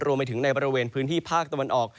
รวมไปถึงในบริเวณพื้นที่ภาคตะวันออก